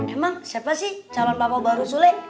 emang siapa sih calon papa baru sule